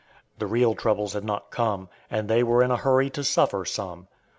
The real troubles had not come, and they were in a hurry to suffer some.